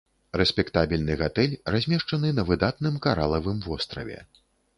Рэспектабельны гатэль, размешчаны на выдатным каралавым востраве.